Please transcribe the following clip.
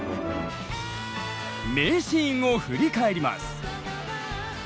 名シーンを振り返ります！